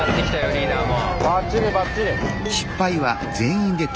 リーダーも。